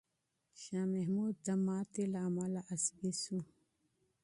شاه محمود د ناکامۍ له امله عصبي شو.